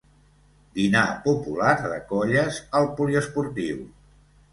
Dinar popular de colles al poliesportiu.